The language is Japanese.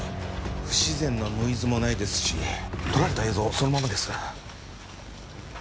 不自然なノイズもないですし撮られた映像そのままです。